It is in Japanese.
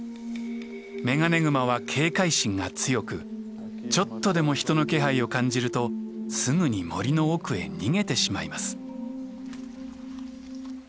メガネグマは警戒心が強くちょっとでも人の気配を感じるとすぐに森の奥へ逃げてしまいます。